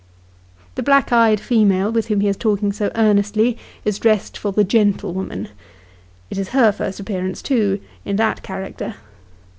The black eyed female with whom he is talking so earnestly, is dressed for the " gentlewoman." It is her first appearance, too in that character.